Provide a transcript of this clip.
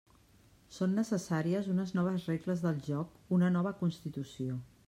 Són necessàries unes noves regles del joc, una nova Constitució.